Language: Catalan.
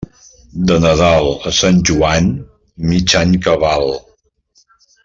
De Nadal a Sant Joan, mig any cabal.